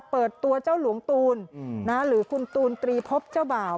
เปิดตัวเจ้าหลวงตูนหรือคุณตูนตรีพบเจ้าบ่าว